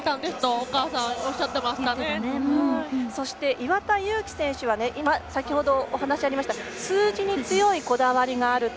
岩田悠希選手は先ほどお話がありました数字に強いこだわりがあると。